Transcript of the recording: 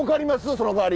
その代わり。